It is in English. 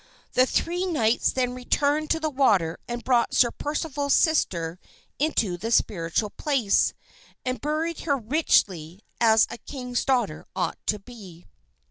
The three knights then returned to the water and brought Sir Percival's sister into the spiritual place, and buried her richly as a king's daughter ought to be.